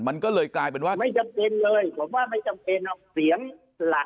มันก็เลยกลายเป็นว่ามั้ยไม่จำเป็นเลยกลับไปเวลาเสียงหลัก